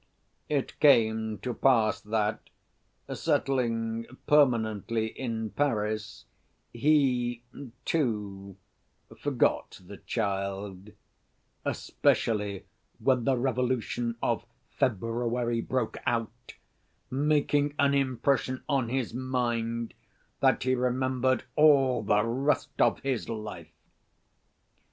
It came to pass that, settling permanently in Paris he, too, forgot the child, especially when the Revolution of February broke out, making an impression on his mind that he remembered all the rest of his life.